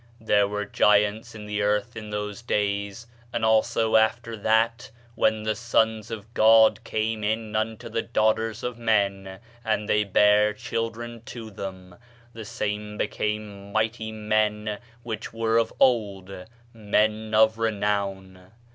"There were giants in the earth in those days; and also after that, when the sons of God came in unto the daughters of men, and they bare children to them, the same became mighty men which were of old, men of renown.